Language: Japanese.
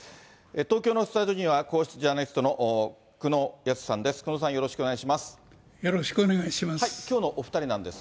東京のスタジオには、皇室ジャーナリストの久能靖さんです。